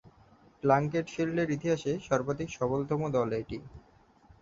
Plunkett শীল্ডের ইতিহাসে সর্বাধিক সফলতম দল এটি।